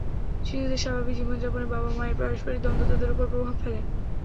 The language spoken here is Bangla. শিশুদের স্বাভাবিক জীবনযাপনে বাবা মায়ের পারস্পরিক দ্বন্দ্ব তাদের ওপর প্রভাব ফেলে।